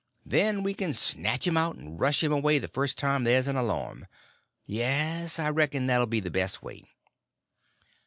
Then we can snatch him out and rush him away the first time there's an alarm. Yes, I reckon that 'll be the best way."